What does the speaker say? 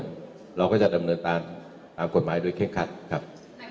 หน่อยความว่าวันนี้ก็ยังไม่มีการแจ้งข้อกล่าวของคุณพ่อเมืองใช่ไหมครับ